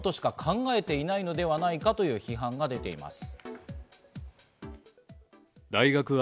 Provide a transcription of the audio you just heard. これに対して、学生を見せ物としか考えていないのではないかという批判が出ています。